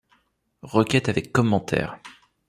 Requête avec commentaire.